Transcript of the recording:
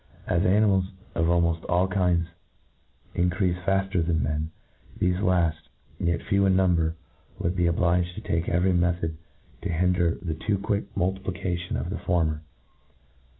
As animah of almoft all kinds increafe fafter than men, thefe laft, yet few in number, would be obliged to take every me thod to hinder the too quick multiplication of the former.